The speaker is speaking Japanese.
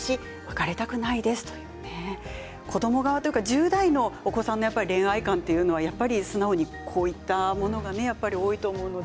１０代のお子さんの恋愛観というのは素直にこういったものが多いと思います。